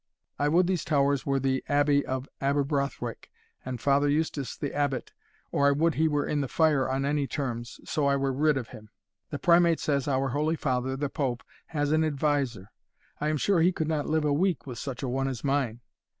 I would these towers were the Abbey of Aberbrothwick, and Father Eustace the Abbot, or I would he were in the fire on any terms, so I were rid of him! The Primate says our Holy Father, the Pope hath an adviser I am sure he could not live a week with such a one as mine.